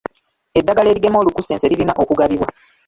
Eddagala erigema olunkusense lirina okugabibwa.